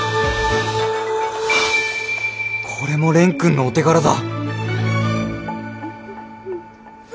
これも蓮くんのお手柄だ。